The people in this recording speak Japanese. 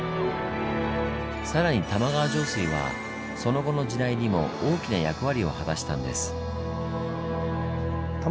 さらに玉川上水はその後の時代にも大きな役割を果たしたんです。え？